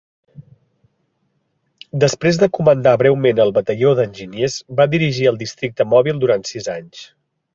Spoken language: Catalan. Després de comandar breument el Batalló d"enginyers, va dirigir el districte mòbil durant sis anys.